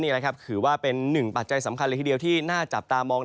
ถือว่าเป็นหนึ่งปัจจัยสำคัญเลยทีเดียวที่น่าจับตามอง